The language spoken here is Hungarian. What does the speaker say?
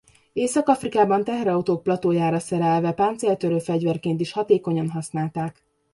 Észak-Afrikában teherautók platójára szerelve páncéltörő fegyverként is hatékonyan használták.